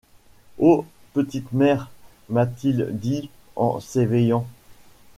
Oh ! petite mère ! m’a-t-il dit en s’éveillant.